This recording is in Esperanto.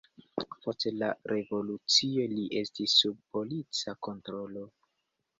Post la Revolucio li estis sub polica kontrolo.